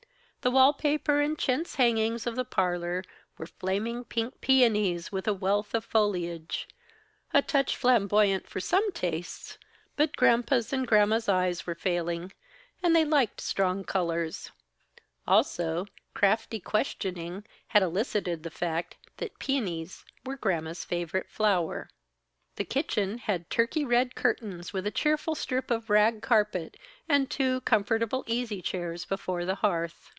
The wall paper and chintz hangings of the parlor were flaming pink peonies with a wealth of foliage a touch of flamboyant for some tastes, but Granpa's and Gramma's eyes were failing, and they liked strong colors. Also, crafty questioning had elicited the fact that "pinies" were Gramma's favorite flower. The kitchen had turkey red curtains with a cheerful strip of rag carpet and two comfortable easy chairs before the hearth.